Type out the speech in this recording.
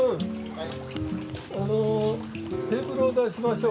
はい。